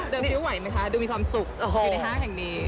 เดินคลิ้วไหวไหมคะดูมีความสุขอยู่ในห้ังอย่างนี้